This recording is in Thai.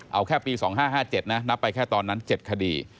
เอาแค่ปี๒๕๕๗นะนับไปแค่ตอนนั้น๗คดี